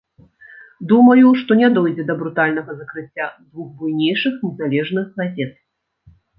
Думаю, што не дойдзе да брутальнага закрыцця двух буйнейшых незалежных газет.